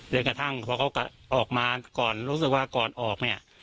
อย่างกระทั่งเพราะเขาออกมาก่อนรู้สึกว่าก่อนออก